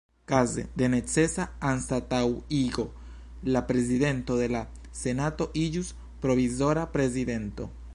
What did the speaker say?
Kaze de necesa anstataŭigo la Prezidento de la Senato iĝus Provizora Prezidento.